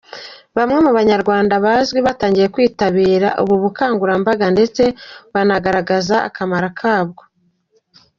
Bamwe mu banyarwanda bazwi batangiye kwitabira ubu bukangurambaga ndetse banagaragaza akamaro kabwo.